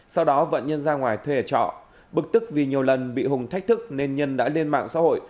sau đó vận nhân ra ngoài thuê ở trọ bực tức vì nhiều lần bị hùng thách thức nên nhân đã lên mạng xã hội